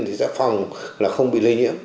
thì sẽ phòng là không bị lây nhiễm